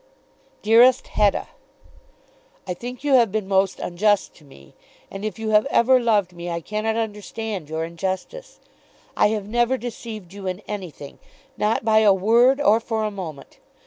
DEAREST HETTA, I think you have been most unjust to me, and if you have ever loved me I cannot understand your injustice. I have never deceived you in anything, not by a word, or for a moment.